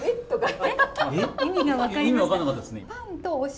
意味が分かりました？